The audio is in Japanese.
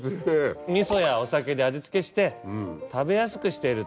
味噌やお酒で味付けして食べやすくしていると。